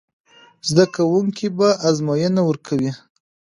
زده کوونکي به ازموینه ورکوي.